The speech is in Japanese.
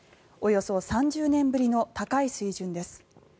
およそ３０年ぶりの高い水準です。